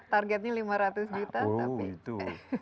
targetnya lima ratus juta tapi jauh di atas